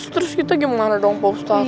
terus kita gimana dong pak ustadz